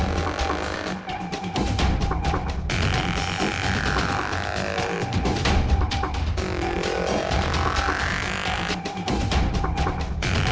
นี่คือยึด